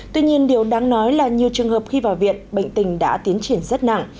tuy nhiên điều đáng nói là nhiều trường hợp khi vào viện bệnh tình đã tiến triển rất nặng